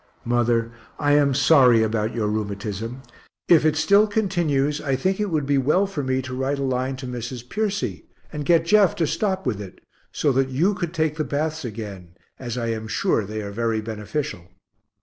Mother, I am sorry about your rheumatism if it still continues I think it would be well for me to write a line to Mrs. Piercy, and get Jeff to stop with it, so that you could take the baths again, as I am sure they are very beneficial.